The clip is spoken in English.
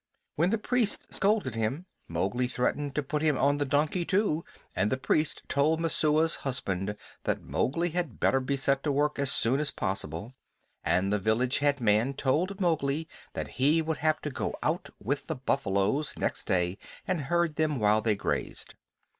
When the priest scolded him, Mowgli threatened to put him on the donkey too, and the priest told Messua's husband that Mowgli had better be set to work as soon as possible; and the village head man told Mowgli that he would have to go out with the buffaloes next day, and herd them while they grazed.